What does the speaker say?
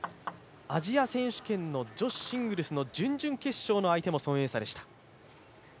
アジア選手権の女子シングルスの準々決勝の相手も孫エイ莎でした。